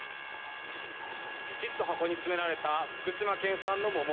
ぴちっと箱に詰められた福島県産の桃。